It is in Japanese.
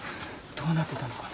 どうなってたのかな。